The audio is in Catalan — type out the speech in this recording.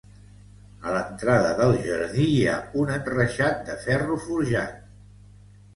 A l'entrada del jardí hi ha un enreixat de ferro forjat.